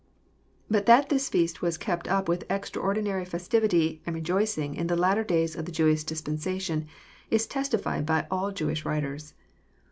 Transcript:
But that this feast was kept up with extraordinary festivity and rejoicing in the latter days of the Jewish dispensation is testified by all Jewish writers.